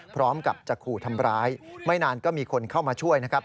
พร้อมกับจะขู่ทำร้ายไม่นานก็มีคนเข้ามาช่วยนะครับ